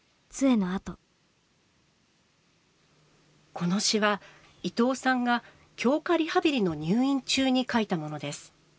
この詩は、伊藤さんが強化リハビリの入院中に書いたものです。